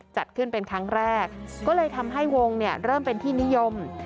จัดขึ้นเป็นครั้งแรกก็เลยทำให้วงเนี่ยเริ่มเป็นที่นิยม